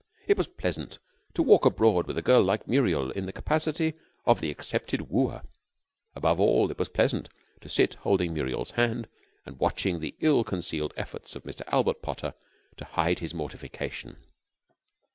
It was pleasant to walk abroad with a girl like Muriel in the capacity of the accepted wooer. Above all, it was pleasant to sit holding Muriel's hand and watching the ill concealed efforts of Mr. Albert Potter to hide his mortification.